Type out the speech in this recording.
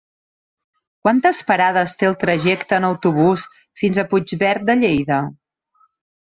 Quantes parades té el trajecte en autobús fins a Puigverd de Lleida?